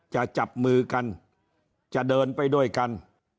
จะจับมือกันจะเดินไปด้วยกัน